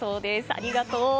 ありがとう。